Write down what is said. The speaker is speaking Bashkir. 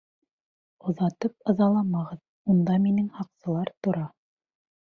Оҙатып ыҙаламағыҙ, унда минең һаҡсылар тора.